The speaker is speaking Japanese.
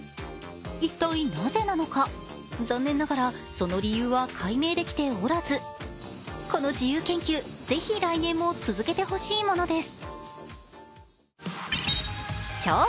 一体なぜなのか、残念ながらその理由は解明できておらずこの自由研究、ぜひ来年も続けてほしいものです。